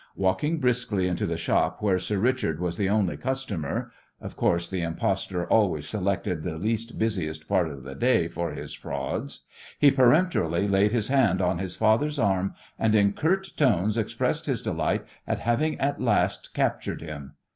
Walking briskly into the shop where "Sir Richard" was the only customer of course, the impostor always selected the least busiest part of the day for his frauds he peremptorily laid his hand on his father's arm, and in curt tones expressed his delight at having at last captured him.